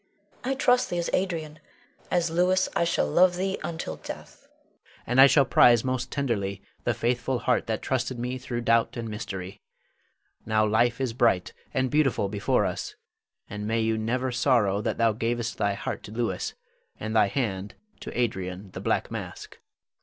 I trusted thee as Adrian; as Louis I shall love thee until death. Louis. And I shall prize most tenderly the faithful heart that trusted me through doubt and mystery. Now life is bright and beautiful before us, and may you never sorrow that thou gav'st thy heart to Louis, and thy hand to Adrian the "Black Mask."